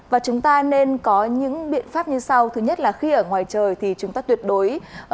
và chúng ta nên có những biện pháp như sau thứ nhất là khi ở ngoài trời thì chúng ta tuyệt đối